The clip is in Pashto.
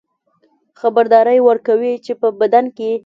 خبرداری ورکوي چې په بدن کې